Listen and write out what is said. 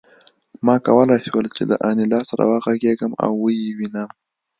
ما کولای شول چې له انیلا سره وغږېږم او ویې وینم